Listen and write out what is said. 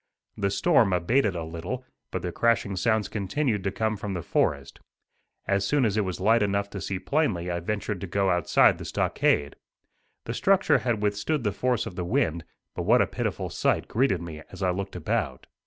The storm abated a little, but the crashing sounds continued to come from the forest. As soon as it was light enough to see plainly I ventured to go outside the stockade. The structure had withstood the force of the wind; but what a pitiful sight greeted me as I looked about.